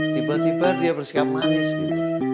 tiba tiba dia bersikap manis gitu